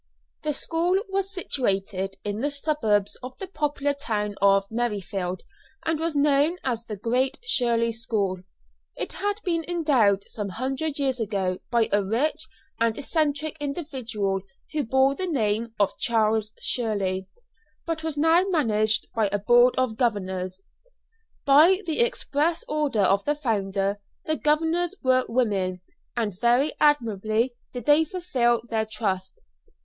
The school was situated in the suburbs of the popular town of Merrifield, and was known as the Great Shirley School. It had been endowed some hundred years ago by a rich and eccentric individual who bore the name of Charles Shirley, but was now managed by a Board of Governors. By the express order of the founder, the governors were women; and very admirably did they fulfil their trust.